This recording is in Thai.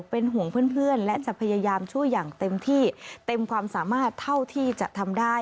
เป็นห่วงเพื่อนและจะพยายามช่วยอย่างเต็มที่เต็มความสามารถเท่าที่จะทำได้